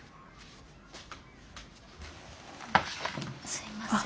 すいません。